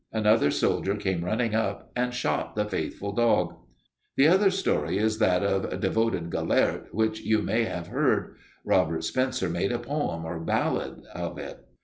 Another soldier came running up and shot the faithful dog. "The other story is that of devoted Gelert which you may have heard. Robert Spencer made a poem or ballad of it."